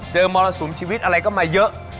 มรสุมชีวิตอะไรก็มาเยอะ